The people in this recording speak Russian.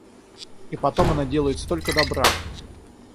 И потом она делает столько добра!